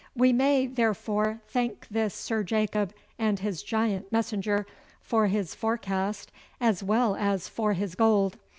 'We may, therefore, thank this Sir Jacob and his giant messenger for his forecast as well as for his gold.